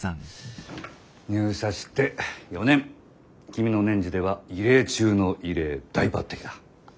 入社して４年君の年次では異例中の異例大抜てきだ。